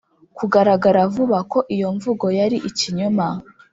Kugaragara vuba ko iyo mvugo yari ikinyoma